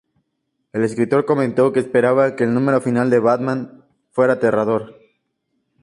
El escritor comentó que esperaba que el número final de "Batman" fuera aterrador.